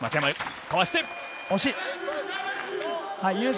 惜しい。